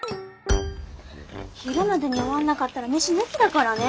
昼までに終わんなかったら飯抜きだからね。